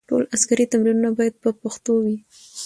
ټول عسکري تمرینونه باید په پښتو وي.